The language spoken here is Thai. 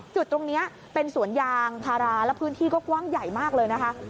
จุดตรงนี้เป็นสวนยางพาราและพื้นที่ก็กว้างใหญ่มากเลยนะคะ